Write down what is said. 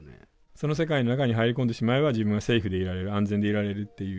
その世界の中に入り込んでしまえば自分はセーフでいられる安全でいられるっていう。